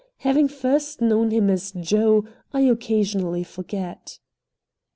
Having first known him as "Joe," I occasionally forget.